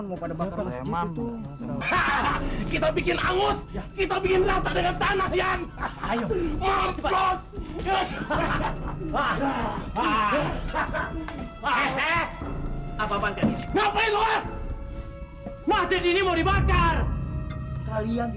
ya udah kalian tunggu disini